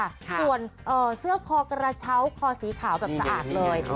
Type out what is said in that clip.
ส่วนเสื้อคอกระเช้าคอสีขาวแบบสะอาดเลย